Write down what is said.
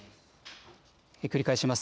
繰り返します。